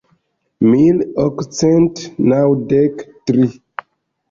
Mil okcent naŭdek tri.